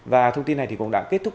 và thông tin này cũng đã kết thúc